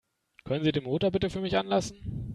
Können Sie den Motor bitte für mich anlassen?